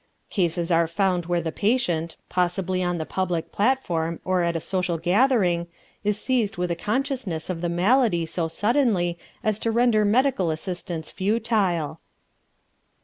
Cases are found where the patient, possibly on the public platform or at a social gathering, is seized with a consciousness of the malady so suddenly as to render medical assistance futile.